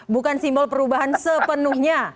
bukan simbol perubahan sepenuhnya